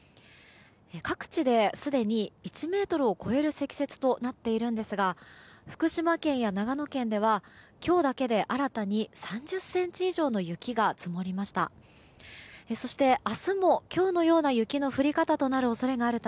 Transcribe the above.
各地で、すでに１ｍを超える積雪となっているんですが福島県や長野県では今日だけで新たに３０ｃｍ以上の雪が積もりました。